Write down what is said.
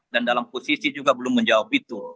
dalam posisi juga belum menjawab itu